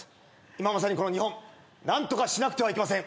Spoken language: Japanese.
今まさにこの日本何とかしなくてはいけません。